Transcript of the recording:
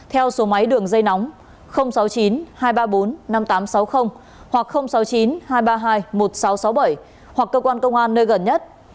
theo số máy đường dây nóng sáu mươi chín hai trăm ba mươi bốn năm nghìn tám trăm sáu mươi hoặc sáu mươi chín hai trăm ba mươi hai một nghìn sáu trăm sáu mươi bảy hoặc cơ quan công an nơi gần nhất